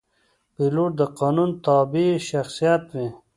پیلوټ د قانون تابع شخصیت وي.